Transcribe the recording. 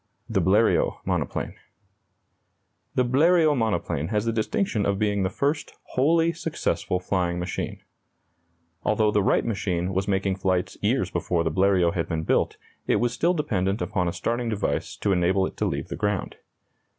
THE BLERIOT MONOPLANE. The Bleriot monoplane has the distinction of being the first wholly successful flying machine. Although the Wright machine was making flights years before the Bleriot had been built, it was still dependent upon a starting device to enable it to leave the ground.